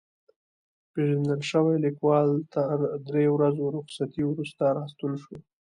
پېژندل شوی لیکوال تر درې ورځو رخصتۍ وروسته راستون شو.